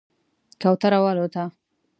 کوتره والوته